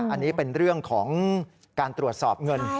อันนี้เป็นเรื่องของการตรวจสอบเงิน